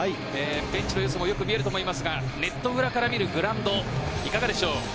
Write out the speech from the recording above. ベンチの様子もよく見えると思いますがネット裏から見えるグラウンドいかがでしょう？